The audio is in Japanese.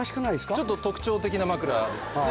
ちょっと特徴的な枕ですね。